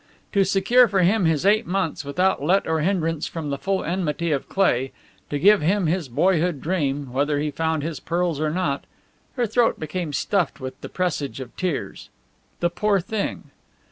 To secure for him his eight months, without let or hindrance from the full enmity of Cleigh; to give him his boyhood dream, whether he found his pearls or not. Her throat became stuffed with the presage of tears. The poor thing!